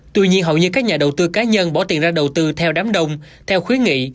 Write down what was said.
tuy nhiên hầu như các nhà đầu tư cá nhân bỏ tiền ra đầu tư theo đám đông theo khuyến nghị